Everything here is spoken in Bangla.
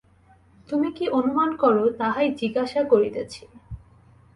তুমি কী অনুমান কর, তাহাই জিজ্ঞাসা করিতেছি।